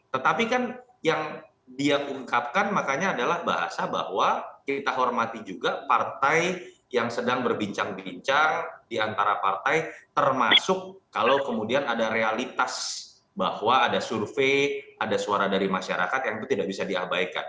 tetapi kan yang dia ungkapkan makanya adalah bahasa bahwa kita hormati juga partai yang sedang berbincang bincang diantara partai termasuk kalau kemudian ada realitas bahwa ada survei ada suara dari masyarakat yang itu tidak bisa diabaikan